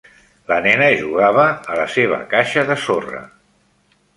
La nena jugava a la seva caixa de sorra.